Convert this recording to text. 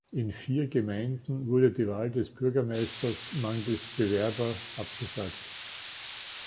In vier Gemeinden wurde die Wahl des Bürgermeisters mangels Bewerber abgesagt.